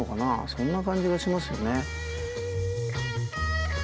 そんな感じがしますよね。